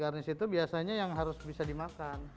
garnis itu biasanya yang harus bisa dimakan